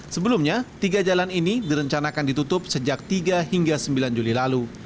sebelumnya tiga jalan ini direncanakan ditutup sejak tiga hingga sembilan juli lalu